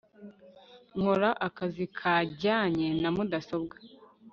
nkora akazi kajyanye na mudasobwa